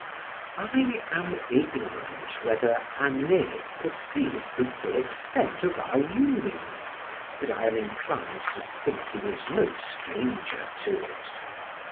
I am ignorant whether Anet perceived the full extent of our union; but I am inclined to think he was no stranger to it.